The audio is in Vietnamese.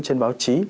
trên báo chí